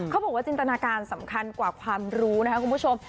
เขาบอกว่าจินตนาการสำคัญกว่าความรู้นะครับคุณผู้ชม